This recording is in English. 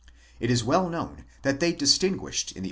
~ It is well known that they distinguished in the.